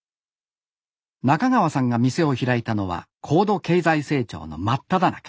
中川さんが店を開いたのは高度経済成長の真っただ中。